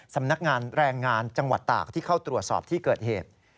สำนักงานแรงงานจังหวัดตากที่เข้าตรวจสอบที่เกิดเหตุ